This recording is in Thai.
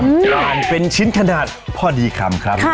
อ่านเป็นชิ้นขนาดพอดีคำครับ